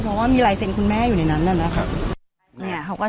เพราะว่ามีลายเซ็นต์คุณแม่อยู่ในนั้นนะครับ